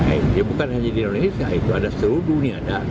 eh ya bukan hanya di indonesia itu ada seluruh dunia